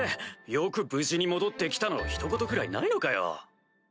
「よく無事に戻って来た」のひと言くらいないのかよ。